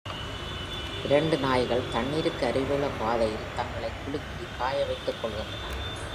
இரண்டு நாய்கள் தண்ணீருக்கு அருகிலுள்ள பாதையில் தங்களை குலுக்கி காய வைத்துக் கொள்கின்றன.